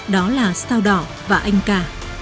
đó là sao đỏ và anh cà